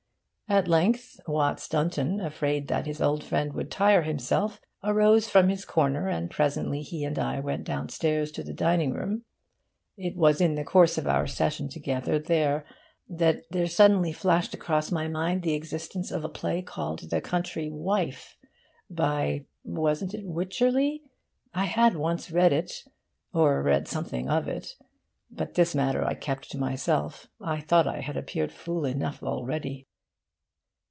At length, Watts Dunton, afraid that his old friend would tire himself, arose from his corner, and presently he and I went downstairs to the dining room. It was in the course of our session together that there suddenly flashed across my mind the existence of a play called 'The Country Wife,' by wasn't it Wycherley? I had once read it or read something about it.... But this matter I kept to myself. I thought I had appeared fool enough already.